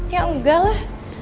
ya enggak lah